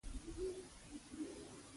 د تواب غوږ وتخڼيد: